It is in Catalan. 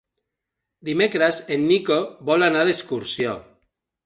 Dimecres en Nico vol anar d'excursió.